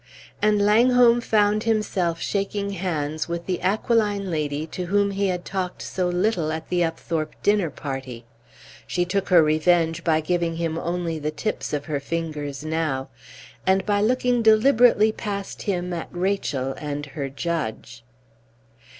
And Langholm found himself shaking hands with the aquiline lady to whom he had talked so little at the Upthorpe dinner party; she took her revenge by giving him only the tips of her fingers now, and by looking deliberately past him at Rachel and her judge.